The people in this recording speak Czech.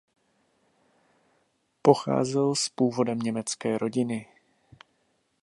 Pocházel z původem německé rodiny.